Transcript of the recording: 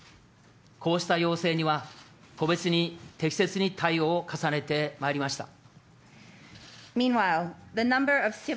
こうした要請には、個別に適切に対応を重ねてまいりました。